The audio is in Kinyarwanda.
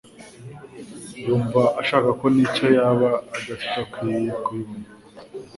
Yumva ashaka ko n'icyo yaba adafite akwiriye kukibona.